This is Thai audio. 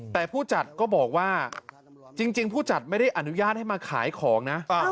แต่ผู้จัดก็บอกว่าจริงผู้จัดไม่ได้อนุญาตให้มาขายของนะ